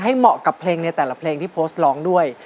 เหมาะกับเพลงในแต่ละเพลงที่โพสต์ร้องด้วย